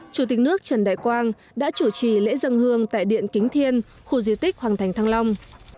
chủ tịch nước trần đại quang đã chủ trì lễ dân hương tại điện kính thiên khu di tích hoàng thành thăng long